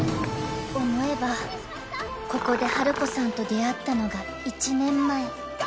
［思えばここでハルコさんと出会ったのが１年前］